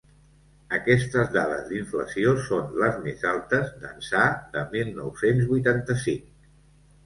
Aquestes dades d’inflació són les més altes d’ençà de mil nou-cents vuitanta-cinc.